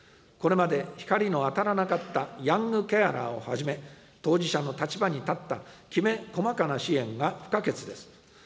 これまで光の当たらなかった、ヤングケアラーをはじめ、当事者の立場に立った、きめ細かな支援が不可欠です。